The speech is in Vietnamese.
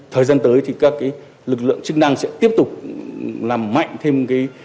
thời gian tới thì các lực lượng chức năng sẽ tiếp tục làm mạnh thêm cái